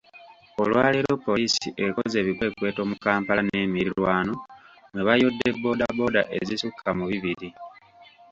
Olwaleero Poliisi ekoze ebikwekweto mu Kampala n'emirirwano mwe bayodde boda boda ezisukka mu bibiri.